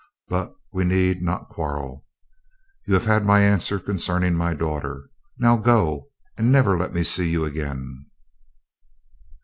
But we need not quarrel. You have had my answer concerning my daughter. Now go, and never let me see you again."